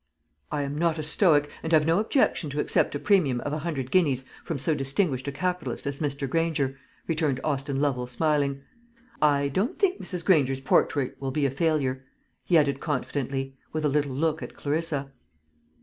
"I am not a stoic, and have no objection to accept a premium of a hundred guineas from so distinguished a capitalist as Mr. Granger," returned Austin Lovel, smiling. "I don't think Mrs. Granger's portrait will be a failure," he added confidently, with a little look at Clarissa.